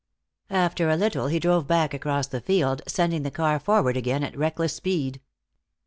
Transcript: After a little he drove back across the field, sending the car forward again at reckless speed.